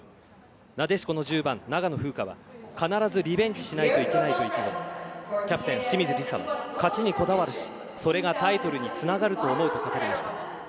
なでしこの１０番、長野風花は必ずリベンジしないといけないと意気込みキャプテン、清水梨紗は勝ちにこだわるしそれがタイトルにつながると思うと語りました。